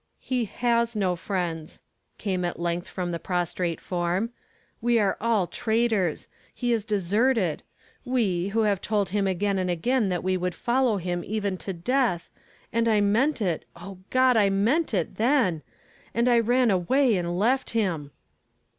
"He has no friends!" came at length from tlie prostrate form. We are all traitors ! he is de serted ! We, wlio have told Imn again and again that we would follow him even to death lul I meant it, O God, I meant it then! and I ran away and left him